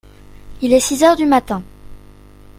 Il est six heures du matin.